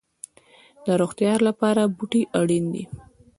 د روغتیا لپاره بوټي اړین دي